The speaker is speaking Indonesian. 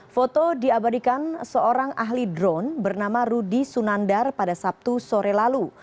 foto diabadikan seorang ahli drone bernama rudy sunandar pada sabtu sore lalu